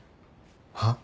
はっ？